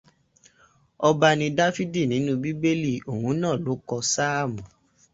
Ọba ni Dáfídì nínú bíbélì, òun náà ló kọ sáàmù